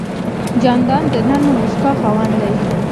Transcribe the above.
جانداد د نرمې موسکا خاوند دی.